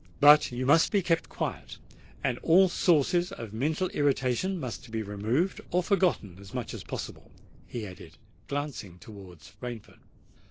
"But you must be kept quiet—and all sources of mental irritation must be removed or forgotten as much as possible," he added, glancing towards Rainford.